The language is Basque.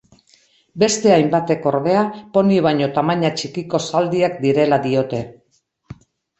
Beste hainbatek ordea poni baino tamaina txikiko zaldiak direla diote.